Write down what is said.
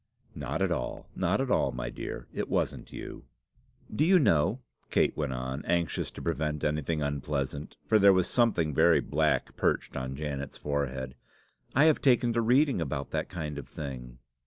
"Not at all, not at all, my dear. It wasn't you." "Do you know," Kate went on, anxious to prevent anything unpleasant, for there was something very black perched on Janet's forehead, "I have taken to reading about that kind of thing."